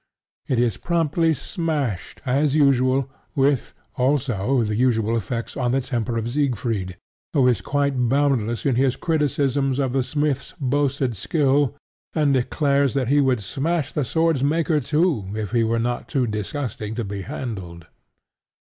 It is promptly smashed, as usual, with, also, the usual effects on the temper of Siegfried, who is quite boundless in his criticisms of the smith's boasted skill, and declares that he would smash the sword's maker too if he were not too disgusting to be handled.